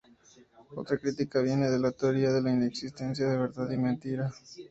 Otra crítica viene de la teoria de la inexistencia de verdad y de mentira.